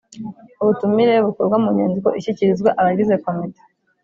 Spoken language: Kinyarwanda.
Ubutumire bukorwa mu nyandiko ishyikirizwa abagize komite